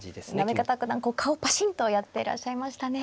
行方九段こう顔をパシンとやってらっしゃいましたね。